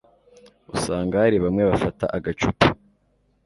usanga hari bamwe bafata agacupa